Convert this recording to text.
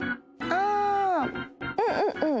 あうんうんうん。